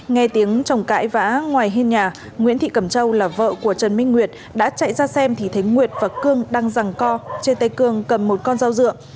nghe tiếng chồng cãi vã ngoài hiên nhà nguyễn thị cẩm châu là vợ của trần minh nguyệt đã chạy ra xem thì thấy nguyệt và cương đang rằng co trên tay cương cầm một con dao dựa